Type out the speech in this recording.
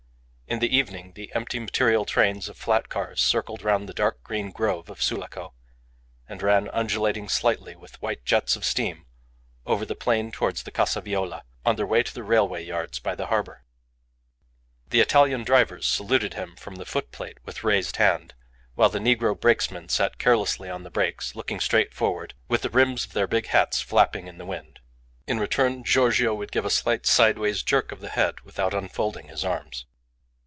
In the evening the empty material trains of flat cars circled round the dark green grove of Sulaco, and ran, undulating slightly with white jets of steam, over the plain towards the Casa Viola, on their way to the railway yards by the harbour. The Italian drivers saluted him from the foot plate with raised hand, while the negro brakesmen sat carelessly on the brakes, looking straight forward, with the rims of their big hats flapping in the wind. In return Giorgio would give a slight sideways jerk of the head, without unfolding his arms.